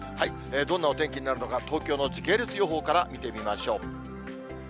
どんなお天気になるのか、東京の時系列予報から見てみましょう。